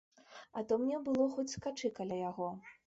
А то мне было хоць скачы каля яго.